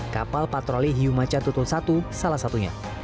kapal patroli hiyumacan tutul satu salah satunya